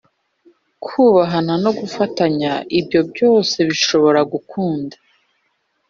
kubahana no gufatanya. Ibyo byose bishobora gukunda